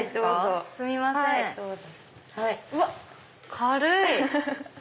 うわっ軽い！